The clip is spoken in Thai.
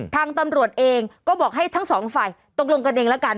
ทางตำรวจเองก็บอกให้ทั้งสองฝ่าย